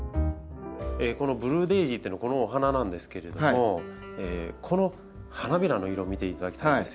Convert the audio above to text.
このブルーデージーっていうのはこのお花なんですけれどもこの花びらの色見ていただきたいんですよ。